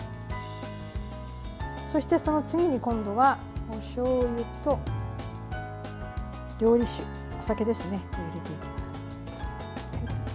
そして、その次に今度はおしょうゆと料理酒、お酒ですね入れていきます。